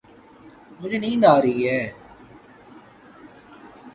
مجھے نیند آ رہی ہے